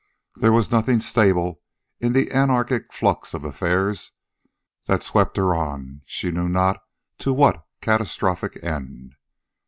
There was nothing stable in the anarchic flux of affairs that swept her on she knew not to what catastrophic end.